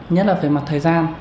nhất là về mặt thời gian